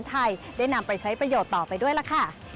ไทยได้นำไปใช้ประโยชน์ต่อไปด้วยล่ะค่ะ